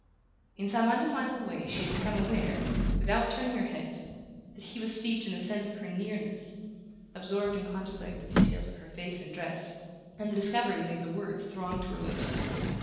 In some undefinable way she had become aware, without turning her head, that he was steeped in the sense of her nearness, absorbed in contemplating the details of her face and dress; and the discovery made the words throng to her lips.